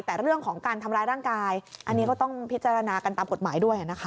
แต่เรื่องของการทำร้ายร่างกายอันนี้ก็ต้องพิจารณากันตามกฎหมายด้วยนะคะ